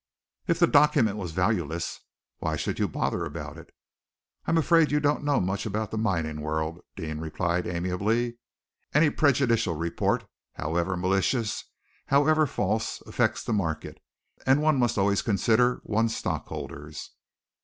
"If the document was valueless, why should you bother about it?" "I'm afraid that you don't know much about the mining world," Deane replied amiably. "Any prejudicial report, however malicious, however false, affects the market, and one must always consider one's stockholders."